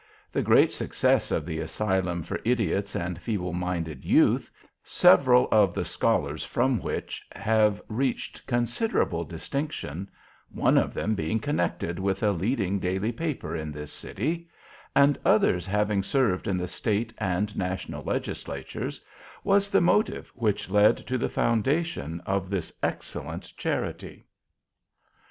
The great success of the Asylum for Idiots and Feeble minded Youth, several of the scholars from which have reached considerable distinction, one of them being connected with a leading Daily Paper in this city, and others having served in the State and National Legislatures, was the motive which led to the foundation of this excellent charity.